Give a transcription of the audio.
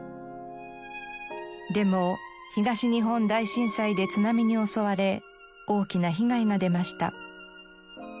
でも東日本大震災で津波に襲われ大きな被害が出ました。